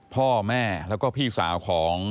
พ่อแม่แล้วก็พี่สาวของ